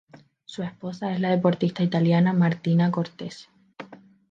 Su esposa es la deportista italiana Martina Cortese.